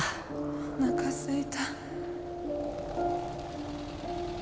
おなかすいた。